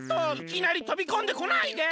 いきなりとびこんでこないで！